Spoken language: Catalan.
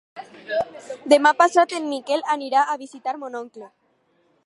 Demà passat en Miquel anirà a visitar mon oncle.